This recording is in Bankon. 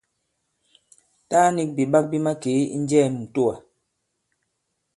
Taa nik bìɓak bi makee i njɛɛ mitowa.